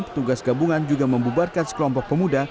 petugas gabungan juga membubarkan sekelompok pemuda